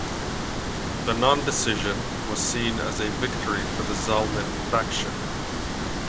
The non-decision was seen as a victory for the Zalmen faction.